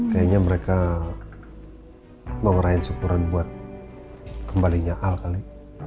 kayaknya mereka ngerahin syukuran buat kembalinya al kali